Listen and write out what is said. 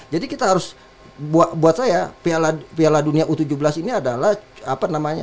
kita harus buat saya piala dunia u tujuh belas ini adalah apa namanya